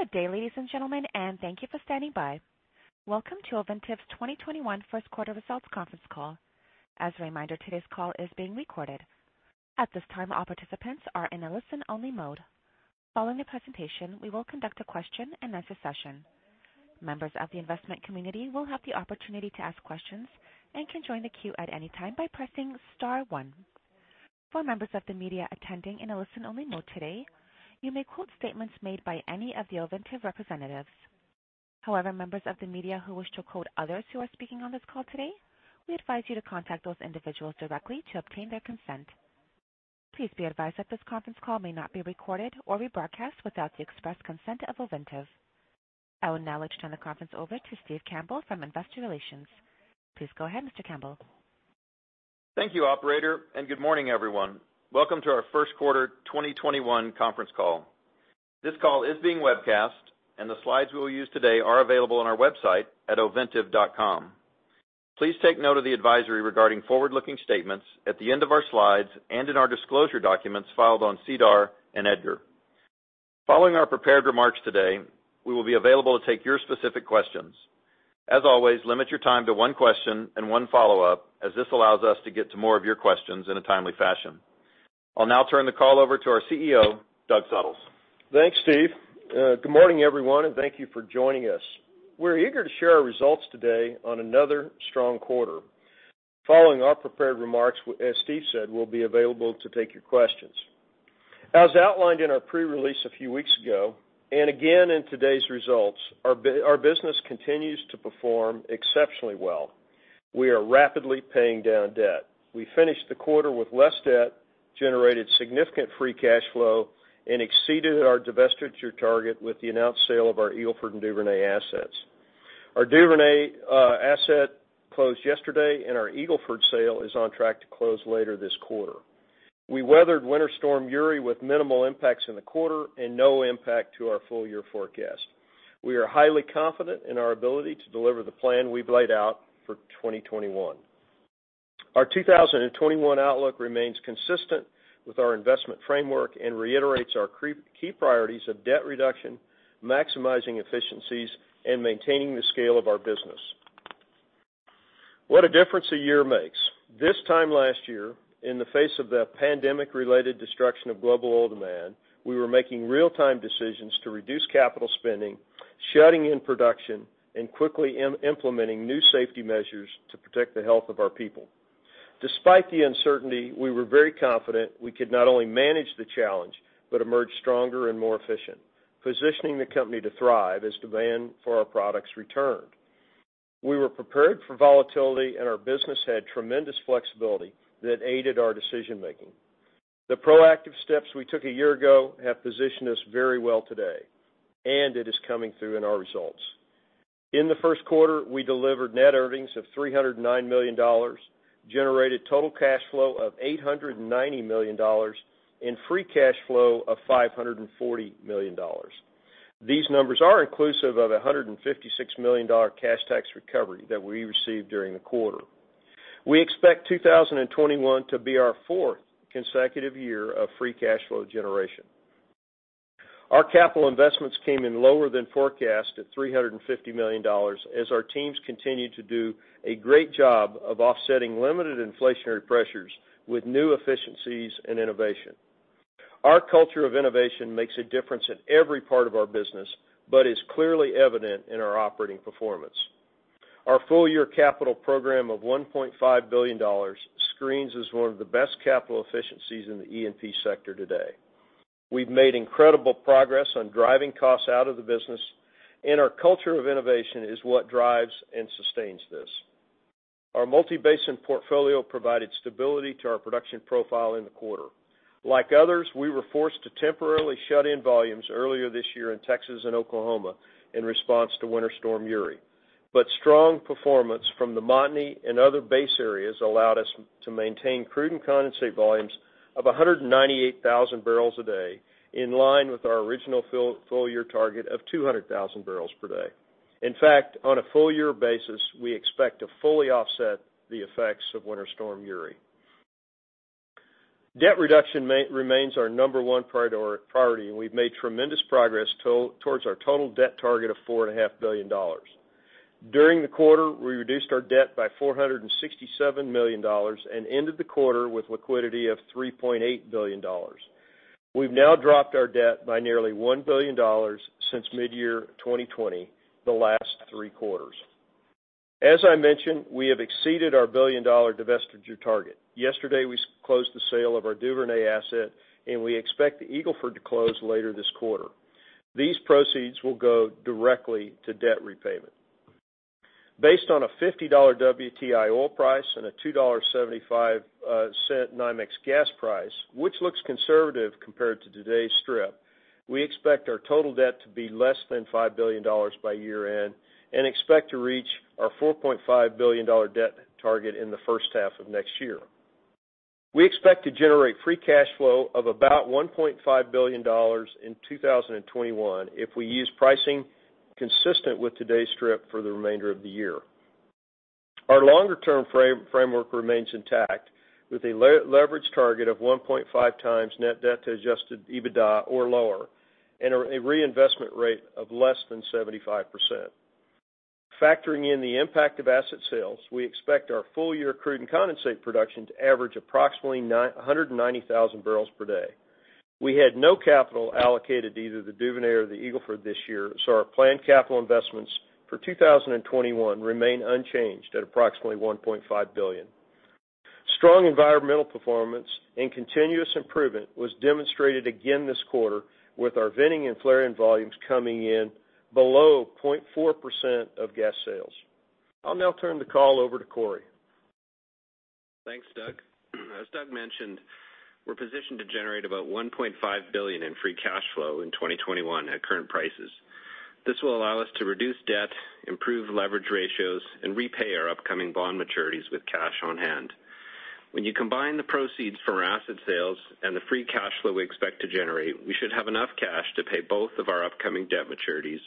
Good day, ladies and gentlemen, and thank you for standing by. Welcome to Ovintiv's 2021 first quarter results conference call. As a reminder, today's call is being recorded. At this time, all participants are in a listen-only mode. Following the presentation, we will conduct a question-and-answer session. Members of the investment community will have the opportunity to ask questions and can join the queue at any time by pressing star one. For members of the media attending in a listen-only mode today, you may quote statements made by any of the Ovintiv representatives. However, members of the media who wish to quote others who are speaking on this call today, we advise you to contact those individuals directly to obtain their consent. Please be advised that this conference call may not be recorded or rebroadcast without the express consent of Ovintiv. I would now like to turn the conference over to Steve Campbell from Investor Relations. Please go ahead, Mr. Campbell. Thank you, operator, and good morning, everyone. Welcome to our first quarter 2021 conference call. This call is being webcast, and the slides we will use today are available on our website at ovintiv.com. Please take note of the advisory regarding forward-looking statements at the end of our slides and in our disclosure documents filed on SEDAR+ and EDGAR. Following our prepared remarks today, we will be available to take your specific questions. As always, limit your time to one question and one follow-up, as this allows us to get to more of your questions in a timely fashion. I'll now turn the call over to our CEO, Doug Suttles. Thanks, Steve. Good morning, everyone, and thank you for joining us. We're eager to share our results today on another strong quarter. Following our prepared remarks, as Steve said, we'll be available to take your questions. As outlined in our pre-release a few weeks ago, and again in today's results, our business continues to perform exceptionally well. We are rapidly paying down debt. We finished the quarter with less debt, generated significant free cash flow, and exceeded our divestiture target with the announced sale of our Eagle Ford and Duvernay assets. Our Duvernay asset closed yesterday, and our Eagle Ford sale is on track to close later this quarter. We weathered Winter Storm Uri with minimal impacts in the quarter and no impact to our full-year forecast. We are highly confident in our ability to deliver the plan we've laid out for 2021. Our 2021 outlook remains consistent with our investment framework and reiterates our key priorities of debt reduction, maximizing efficiencies, and maintaining the scale of our business. What a difference a year makes. This time last year, in the face of the pandemic-related destruction of global oil demand, we were making real-time decisions to reduce capital spending, shutting in production, and quickly implementing new safety measures to protect the health of our people. Despite the uncertainty, we were very confident we could not only manage the challenge, but emerge stronger and more efficient, positioning the company to thrive as demand for our products returned. We were prepared for volatility, and our business had tremendous flexibility that aided our decision-making. The proactive steps we took a year ago have positioned us very well today, and it is coming through in our results. In the first quarter, we delivered net earnings of $309 million, generated total cash flow of $890 million, and free cash flow of $540 million. These numbers are inclusive of $156 million cash tax recovery that we received during the quarter. We expect 2021 to be our fourth consecutive year of free cash flow generation. Our capital investments came in lower than forecast at $350 million as our teams continue to do a great job of offsetting limited inflationary pressures with new efficiencies and innovation. Our culture of innovation makes a difference in every part of our business, but is clearly evident in our operating performance. Our full-year capital program of $1.5 billion screens as one of the best capital efficiencies in the E&P sector today. We've made incredible progress on driving costs out of the business, and our culture of innovation is what drives and sustains this. Our multi-basin portfolio provided stability to our production profile in the quarter. Like others, we were forced to temporarily shut in volumes earlier this year in Texas and Oklahoma in response to Winter Storm Uri. Strong performance from the Montney and other base areas allowed us to maintain crude and condensate volumes of 198,000 bbl a day, in line with our original full-year target of 200,000 bbl per day. In fact, on a full-year basis, we expect to fully offset the effects of Winter Storm Uri. Debt reduction remains our number one priority, and we've made tremendous progress towards our total debt target of $4.5 billion. During the quarter, we reduced our debt by $467 million and ended the quarter with liquidity of $3.8 billion. We've now dropped our debt by nearly $1 billion since mid-year 2020, the last three quarters. As I mentioned, we have exceeded our billion-dollar divestiture target. Yesterday, we closed the sale of our Duvernay asset, and we expect the Eagle Ford to close later this quarter. These proceeds will go directly to debt repayment. Based on a $50 WTI oil price and a $2.75 NYMEX gas price, which looks conservative compared to today's strip, we expect our total debt to be less than $5 billion by year-end and expect to reach our $4.5 billion debt target in the first half of next year. We expect to generate free cash flow of about $1.5 billion in 2021 if we use pricing consistent with today's strip for the remainder of the year. Our longer-term framework remains intact, with a leverage target of 1.5x net debt to adjusted EBITDA or lower and a reinvestment rate of less than 75%. Factoring in the impact of asset sales, we expect our full-year crude and condensate production to average approximately 190,000 bbl per day. We had no capital allocated to either the Duvernay or the Eagle Ford this year, so our planned capital investments for 2021 remain unchanged at approximately $1.5 billion. Strong environmental performance and continuous improvement was demonstrated again this quarter with our venting and flaring volumes coming in below 0.4% of gas sales. I'll now turn the call over to Corey. Thanks, Doug Suttles. As Doug mentioned, we're positioned to generate about $1.5 billion in free cash flow in 2021 at current prices. This will allow us to reduce debt, improve leverage ratios, and repay our upcoming bond maturities with cash on hand. When you combine the proceeds from our asset sales and the free cash flow we expect to generate, we should have enough cash to pay both of our upcoming debt maturities,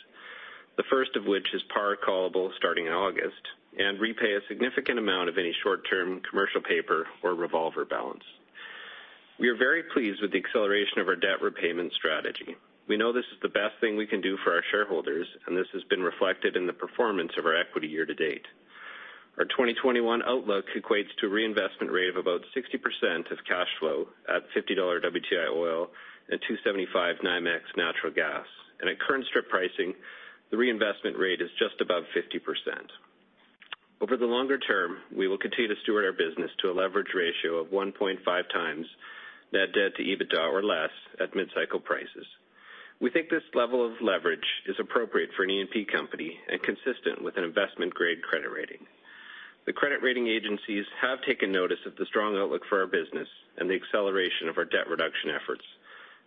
the first of which is par callable starting in August, and repay a significant amount of any short-term commercial paper or revolver balance. We are very pleased with the acceleration of our debt repayment strategy. We know this is the best thing we can do for our shareholders, and this has been reflected in the performance of our equity year-to-date. Our 2021 outlook equates to a reinvestment rate of about 60% of cash flow at $50 WTI oil and $2.75 NYMEX natural gas. At current strip pricing, the reinvestment rate is just above 50%. Over the longer term, we will continue to steward our business to a leverage ratio of 1.5x net debt to EBITDA or less at mid-cycle prices. We think this level of leverage is appropriate for an E&P company and consistent with an investment-grade credit rating. The credit rating agencies have taken notice of the strong outlook for our business and the acceleration of our debt reduction efforts.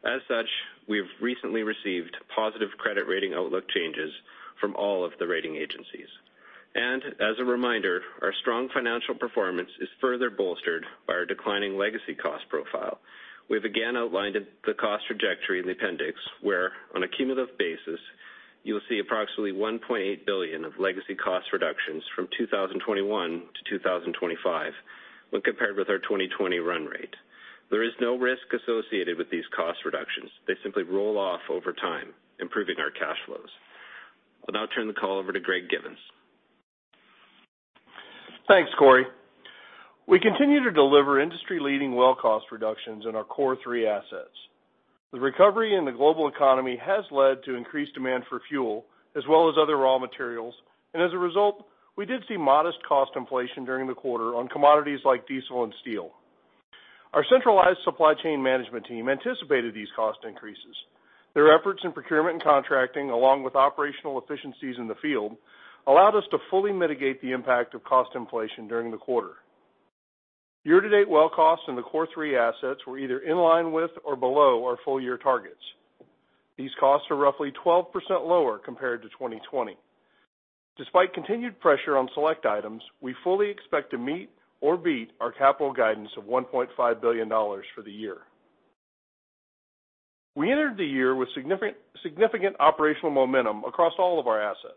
As such, we've recently received positive credit rating outlook changes from all of the rating agencies. As a reminder, our strong financial performance is further bolstered by our declining legacy cost profile. We have again outlined the cost trajectory in the appendix, where on a cumulative basis, you'll see approximately $1.8 billion of legacy cost reductions from 2021-2025 when compared with our 2020 run rate. There is no risk associated with these cost reductions. They simply roll off over time, improving our cash flows. I'll now turn the call over to Greg Givens. Thanks, Corey. We continue to deliver industry-leading well cost reductions in our Core Three assets. The recovery in the global economy has led to increased demand for fuel as well as other raw materials, and as a result, we did see modest cost inflation during the quarter on commodities like diesel and steel. Our centralized supply chain management team anticipated these cost increases. Their efforts in procurement and contracting, along with operational efficiencies in the field, allowed us to fully mitigate the impact of cost inflation during the quarter. Year-to-date well costs in the Core Three assets were either in line with or below our full-year targets. These costs are roughly 12% lower compared to 2020. Despite continued pressure on select items, we fully expect to meet or beat our capital guidance of $1.5 billion for the year. We entered the year with significant operational momentum across all of our assets.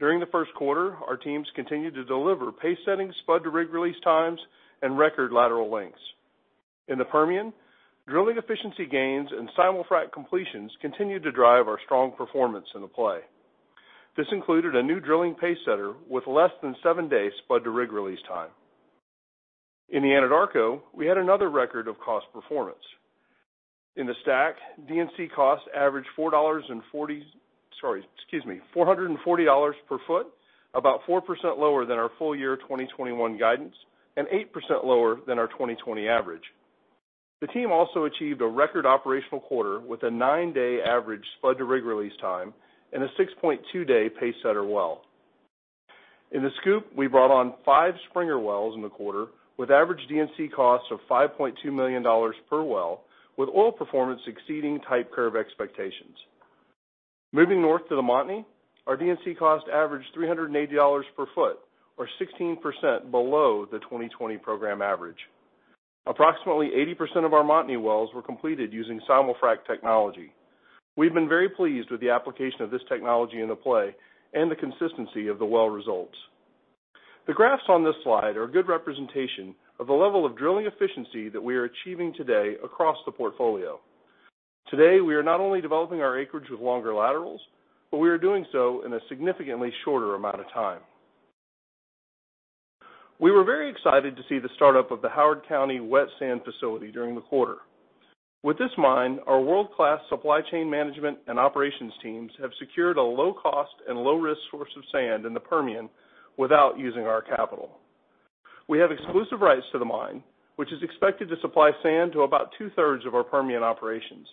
During the first quarter, our teams continued to deliver pace-setting spud to rig release times and record lateral lengths. In the Permian, drilling efficiency gains and simul-frac completions continued to drive our strong performance in the play. This included a new drilling pace setter with less than seven-day spud to rig release time. In the Anadarko, we had another record of cost performance. In the STACK, D&C costs averaged $440 per foot, about 4% lower than our full year 2021 guidance and 8% lower than our 2020 average. The team also achieved a record operational quarter with a nine-day average spud to rig release time and a 6.2-day pace setter well. In the SCOOP, we brought on five Springer wells in the quarter with average D&C costs of $5.2 million per well, with oil performance exceeding type curve expectations. Moving north to the Montney, our D&C cost averaged $380 per ft, or 16% below the 2020 program average. Approximately 80% of our Montney wells were completed using simul-frac technology. We've been very pleased with the application of this technology in the play and the consistency of the well results. The graphs on this slide are a good representation of the level of drilling efficiency that we are achieving today across the portfolio. Today, we are not only developing our acreage with longer laterals, but we are doing so in a significantly shorter amount of time. We were very excited to see the startup of the Howard County wet sand facility during the quarter. With this mine, our world-class supply chain management and operations teams have secured a low-cost and low-risk source of sand in the Permian without using our capital. We have exclusive rights to the mine, which is expected to supply sand to about 2/3 of our Permian operations.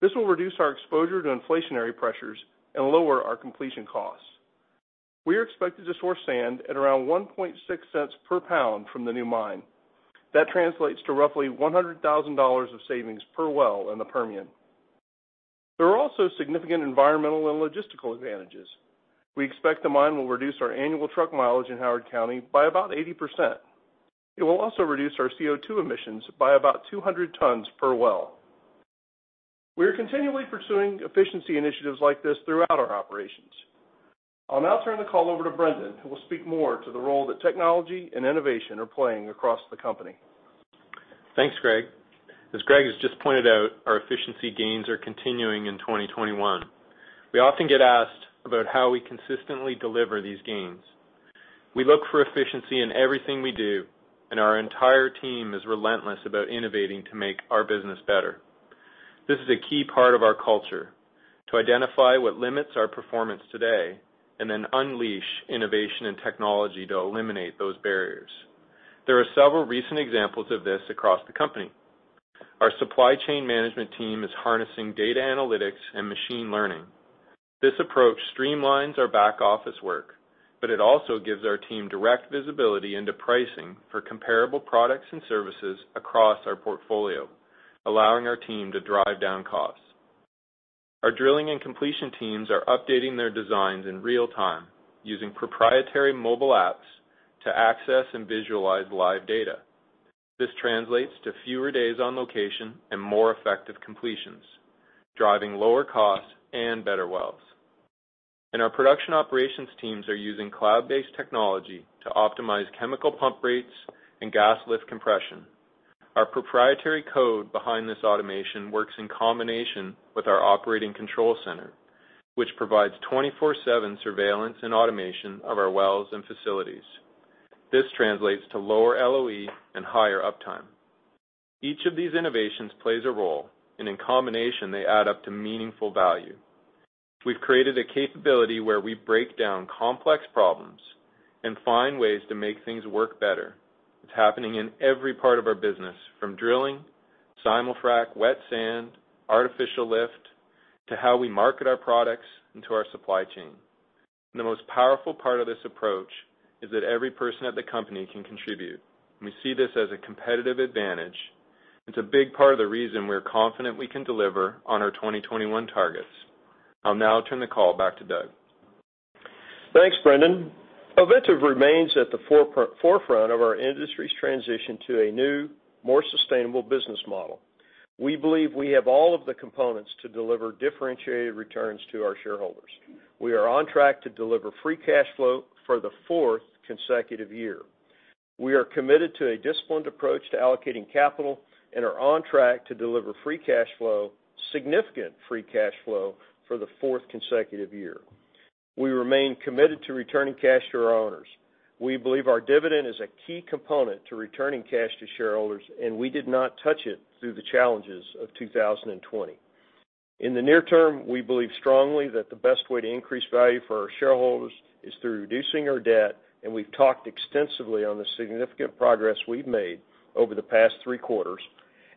This will reduce our exposure to inflationary pressures and lower our completion costs. We are expected to source sand at around $0.016 per pound from the new mine. That translates to roughly $100,000 of savings per well in the Permian. There are also significant environmental and logistical advantages. We expect the mine will reduce our annual truck mileage in Howard County by about 80%. It will also reduce our CO2 emissions by about 200 tons per well. We are continually pursuing efficiency initiatives like this throughout our operations. I'll now turn the call over to Brendan, who will speak more to the role that technology and innovation are playing across the company. Thanks, Greg. As Greg has just pointed out, our efficiency gains are continuing in 2021. We often get asked about how we consistently deliver these gains. We look for efficiency in everything we do, and our entire team is relentless about innovating to make our business better. This is a key part of our culture, to identify what limits our performance today, and then unleash innovation and technology to eliminate those barriers. There are several recent examples of this across the company. Our supply chain management team is harnessing data analytics and machine learning. This approach streamlines our back office work, but it also gives our team direct visibility into pricing for comparable products and services across our portfolio, allowing our team to drive down costs. Our drilling and completion teams are updating their designs in real time using proprietary mobile apps to access and visualize live data. This translates to fewer days on location and more effective completions, driving lower costs and better wells. Our production operations teams are using cloud-based technology to optimize chemical pump rates and gas lift compression. Our proprietary code behind this automation works in combination with our operating control center, which provides 24/7 surveillance and automation of our wells and facilities. This translates to lower LOE and higher uptime. Each of these innovations plays a role, and in combination, they add up to meaningful value. We've created a capability where we break down complex problems and find ways to make things work better. It's happening in every part of our business, from drilling, simul-frac, wet sand, artificial lift, to how we market our products into our supply chain. The most powerful part of this approach is that every person at the company can contribute. We see this as a competitive advantage. It's a big part of the reason we're confident we can deliver on our 2021 targets. I'll now turn the call back to Doug. Thanks, Brendan. Ovintiv remains at the forefront of our industry's transition to a new, more sustainable business model. We believe we have all of the components to deliver differentiated returns to our shareholders. We are on track to deliver free cash flow for the fourth consecutive year. We are committed to a disciplined approach to allocating capital and are on track to deliver significant free cash flow for the fourth consecutive year. We remain committed to returning cash to our owners. We believe our dividend is a key component to returning cash to shareholders, and we did not touch it through the challenges of 2020. In the near term, we believe strongly that the best way to increase value for our shareholders is through reducing our debt, and we've talked extensively on the significant progress we've made over the past three quarters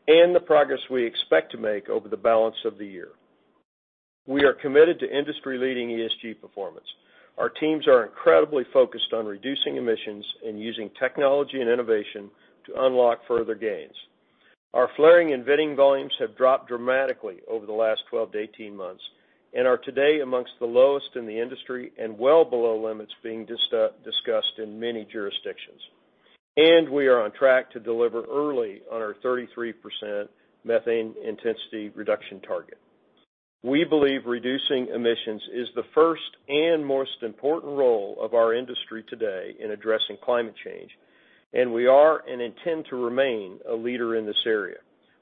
and the progress we expect to make over the balance of the year. We are committed to industry-leading ESG performance. Our teams are incredibly focused on reducing emissions and using technology and innovation to unlock further gains. Our flaring and venting volumes have dropped dramatically over the last 12-18 months and are today amongst the lowest in the industry and well below limits being discussed in many jurisdictions. We are on track to deliver early on our 33% methane intensity reduction target. We believe reducing emissions is the first and most important role of our industry today in addressing climate change, and we are, and intend to remain a leader in this area.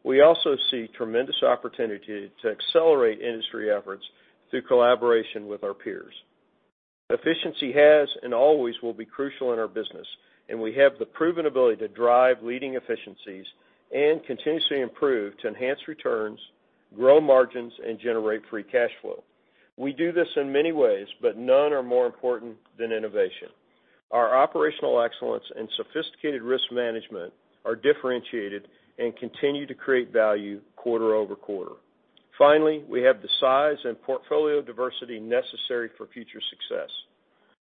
We also see tremendous opportunity to accelerate industry efforts through collaboration with our peers. Efficiency has and always will be crucial in our business, and we have the proven ability to drive leading efficiencies and continuously improve to enhance returns, grow margins, and generate free cash flow. We do this in many ways, but none are more important than innovation. Our operational excellence and sophisticated risk management are differentiated and continue to create value quarter-over-quarter. Finally, we have the size and portfolio diversity necessary for future success.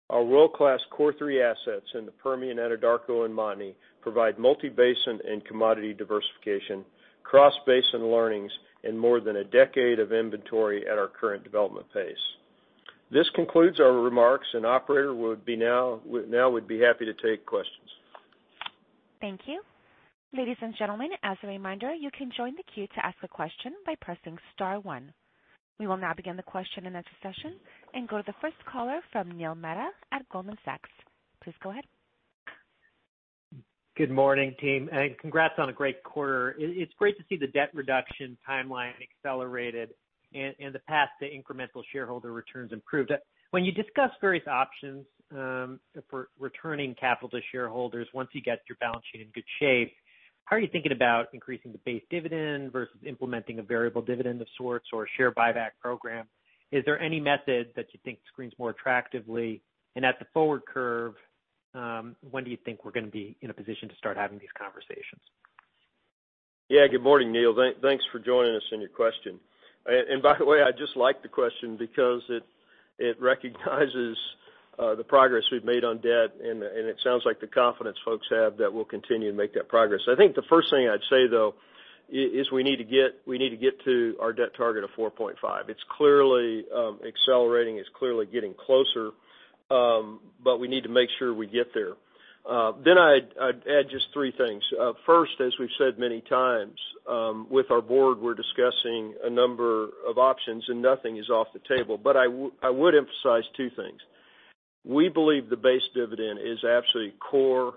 Our world-class Core Three assets in the Permian, Anadarko, and Montney provide multi-basin and commodity diversification, cross-basin learnings, and more than a decade of inventory at our current development pace. This concludes our remarks and operator, now we'd be happy to take questions. Thank you. Ladies and gentlemen, as a reminder, you can join the queue to ask a question by pressing star one. We will now begin the question-and-answer session and go to the first caller from Neil Mehta at Goldman Sachs. Please go ahead. Good morning, team. Congrats on a great quarter. It's great to see the debt reduction timeline accelerated and the path to incremental shareholder returns improved. When you discuss various options for returning capital to shareholders once you get your balance sheet in good shape, how are you thinking about increasing the base dividend versus implementing a variable dividend of sorts or a share buyback program? Is there any method that you think screens more attractively? At the forward curve, when do you think we're going to be in a position to start having these conversations? Yeah. Good morning, Neil. Thanks for joining us and your question. By the way, I just like the question because it recognizes the progress we've made on debt, and it sounds like the confidence folks have that we'll continue to make that progress. I think the first thing I'd say, though, is we need to get to our debt target of $4.5 billion. It's clearly accelerating. It's clearly getting closer, but we need to make sure we get there. I'd add just three things. First, as we've said many times, with our board, we're discussing a number of options, and nothing is off the table. I would emphasize two things. We believe the base dividend is absolutely core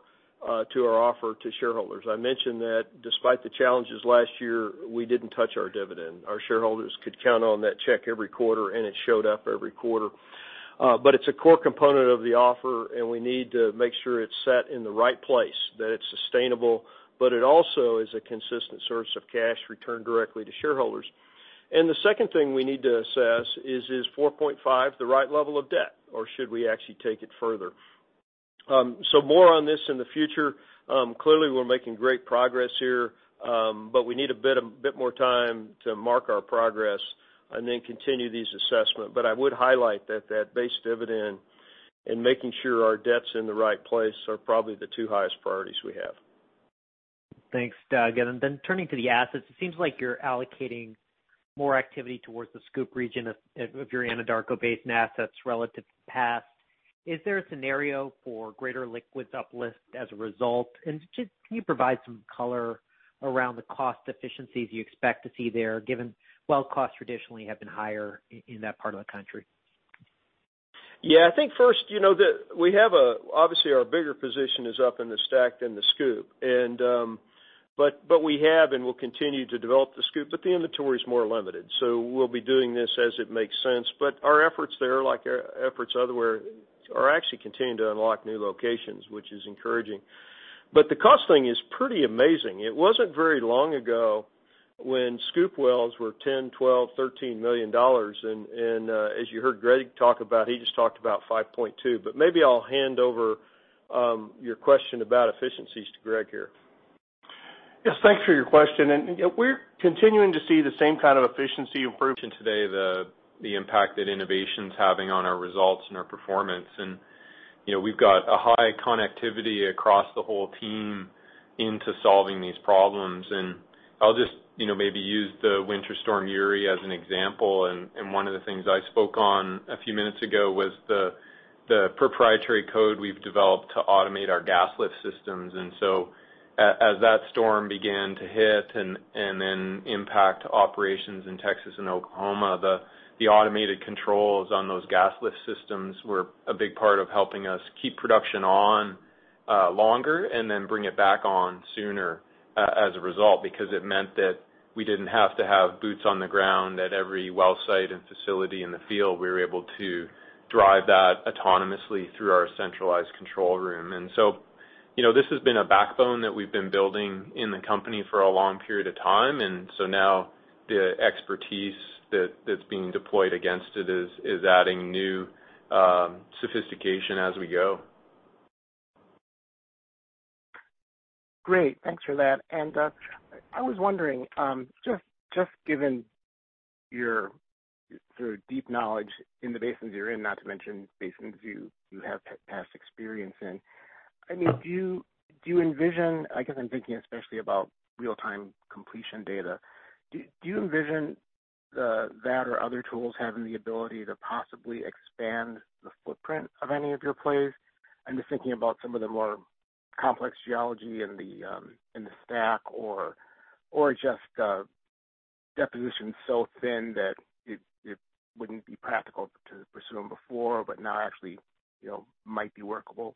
to our offer to shareholders. I mentioned that despite the challenges last year, we didn't touch our dividend. Our shareholders could count on that check every quarter, and it showed up every quarter. It's a core component of the offer, and we need to make sure it's set in the right place, that it's sustainable. It also is a consistent source of cash returned directly to shareholders. The second thing we need to assess is $4.5 billion the right level of debt, or should we actually take it further? More on this in the future. Clearly, we're making great progress here, but we need a bit more time to mark our progress and then continue these assessment. I would highlight that that base dividend and making sure our debt's in the right place are probably the two highest priorities we have. Thanks, Doug. Turning to the assets, it seems like you're allocating more activity towards the SCOOP region of your Anadarko Basin assets relative to the past. Is there a scenario for greater liquids uplift as a result? Can you provide some color around the cost efficiencies you expect to see there, given well costs traditionally have been higher in that part of the country? I think first, obviously our bigger position is up in the STACK than the SCOOP. We have and will continue to develop the SCOOP, but the inventory is more limited. We'll be doing this as it makes sense. Our efforts there, like our efforts other where, are actually continuing to unlock new locations, which is encouraging. The cost thing is pretty amazing. It wasn't very long ago when SCOOP wells were $10 million, $12 million, $13 million. As you heard Greg talk about, he just talked about $5.2 million. Maybe I'll hand over your question about efficiencies to Greg here. Yes, thanks for your question. We're continuing to see the same kind of efficiency improvement today, the impact that innovation's having on our results and our performance. We've got a high connectivity across the whole team into solving these problems. I'll just maybe use the Winter Storm Uri as an example. One of the things I spoke on a few minutes ago was the proprietary code we've developed to automate our gas lift systems. As that storm began to hit and then impact operations in Texas and Oklahoma, the automated controls on those gas lift systems were a big part of helping us keep production on longer and then bring it back on sooner, as a result, because it meant that we didn't have to have boots on the ground at every well site and facility in the field. We were able to drive that autonomously through our centralized control room. This has been a backbone that we've been building in the company for a long period of time. Now the expertise that's being deployed against it is adding new sophistication as we go. Great. Thanks for that. I was wondering, just given your deep knowledge in the basins you're in, not to mention basins you have past experience in, I guess I'm thinking especially about real-time completion data. Do you envision that or other tools having the ability to possibly expand the footprint of any of your plays? I'm just thinking about some of the more complex geology in the STACK or just deposition so thin that it wouldn't be practical to pursue them before, but now actually might be workable.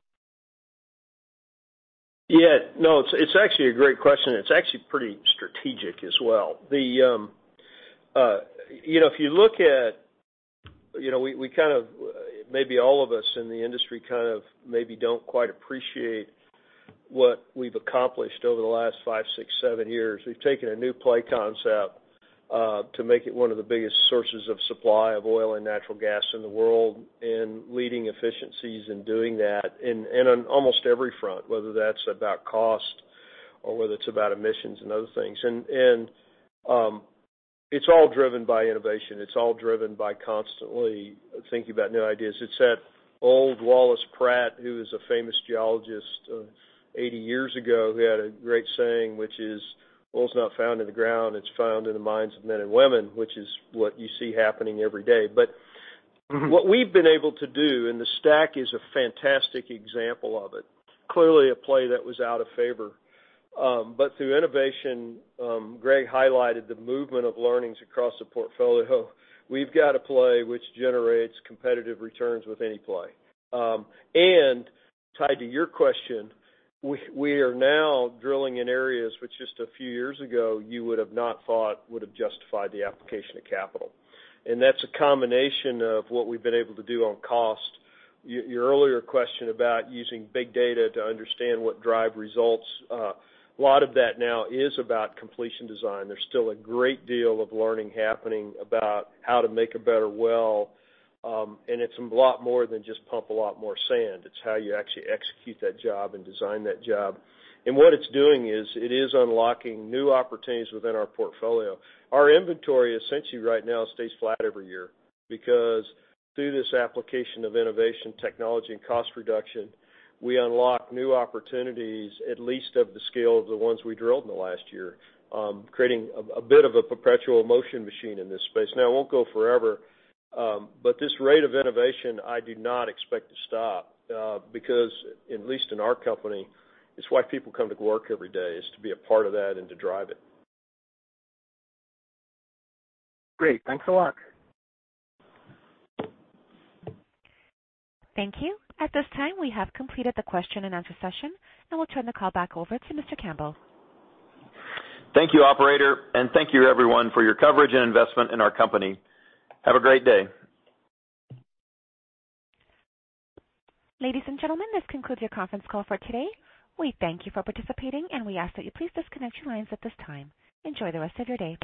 Yeah, no, it's actually a great question. It's actually pretty strategic as well. Maybe all of us in the industry kind of maybe don't quite appreciate what we've accomplished over the last five, six, seven years. We've taken a new play concept to make it one of the biggest sources of supply of oil and natural gas in the world and leading efficiencies in doing that in almost every front, whether that's about cost or whether it's about emissions and other things. It's all driven by innovation. It's all driven by constantly thinking about new ideas. It's that old Wallace Pratt, who was a famous geologist 80 years ago, who had a great saying, which is, "Oil's not found in the ground. It's found in the minds of men and women," which is what you see happening every day. What we've been able to do, and the STACK is a fantastic example of it. Clearly a play that was out of favor. Through innovation, Greg highlighted the movement of learnings across the portfolio. We've got a play which generates competitive returns with any play. Tied to your question, we are now drilling in areas which just a few years ago you would have not thought would have justified the application of capital. That's a combination of what we've been able to do on cost. Your earlier question about using big data to understand what drive results, a lot of that now is about completion design. There's still a great deal of learning happening about how to make a better well, and it's a lot more than just pump a lot more sand. It's how you actually execute that job and design that job. What it's doing is it is unlocking new opportunities within our portfolio. Our inventory essentially right now stays flat every year because through this application of innovation, technology, and cost reduction, we unlock new opportunities at least of the scale of the ones we drilled in the last year, creating a bit of a perpetual motion machine in this space. Now, it won't go forever. This rate of innovation I do not expect to stop, because at least in our company, it's why people come to work every day is to be a part of that and to drive it. Great. Thanks a lot. Thank you. At this time, we have completed the question-and-answer session. We'll turn the call back over to Mr. Campbell. Thank you, operator, and thank you everyone for your coverage and investment in our company. Have a great day. Ladies and gentlemen, this concludes your conference call for today. We thank you for participating, and we ask that you please disconnect your lines at this time. Enjoy the rest of your day.